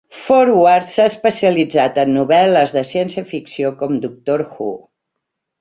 Forward s'ha especialitzat en novel·les de ciència ficció com Doctor Who.